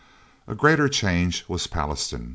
A greater change was Pallastown.